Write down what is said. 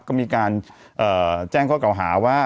ก็มีการแจ้งเขากล่อหาว่า